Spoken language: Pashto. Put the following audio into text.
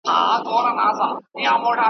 چي زه دي ساندي اورېدلای نه سم ,